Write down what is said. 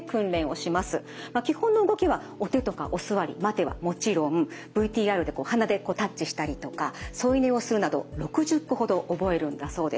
まあ基本の動きは「お手」とか「お座り」「待て」はもちろんＶＴＲで鼻でタッチしたりとか添い寝をするなど６０個ほど覚えるんだそうです。